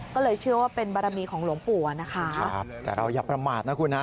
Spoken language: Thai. ก็เลยเชื่อว่าเป็นบารมีของหลวงปู่อะนะคะครับแต่เราอย่าประมาทนะคุณฮะ